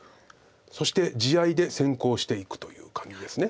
そして地合いで先行していくという感じです。